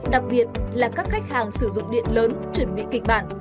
đặc biệt là các khách hàng sử dụng điện lớn chuẩn bị kịch bản